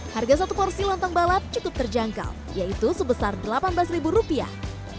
harga satu porsi lontong balap cukup terjangkau yaitu sebesar delapan belas ribu rupiah